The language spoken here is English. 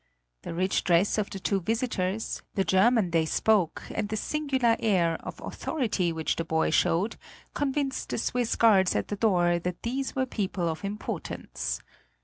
The rich dress of the two visitors, the German they spoke, and the singular air of authority which the boy showed, convinced the Swiss guards at the door that these were people of importance.